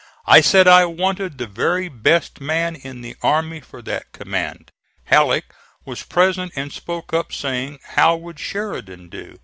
I said I wanted the very best man in the army for that command. Halleck was present and spoke up, saying: "How would Sheridan do?"